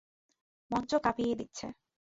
মঞ্চ কাঁপিয়ে দিচ্ছে।